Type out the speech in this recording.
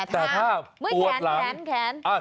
แต่ถ้าเมื่อแขนแขน